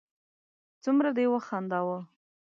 څومره دې و خنداوه